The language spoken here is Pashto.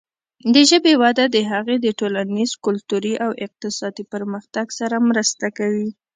د ژبې وده د هغې د ټولنیز، کلتوري او اقتصادي پرمختګ سره مرسته کوي.